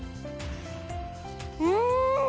うん！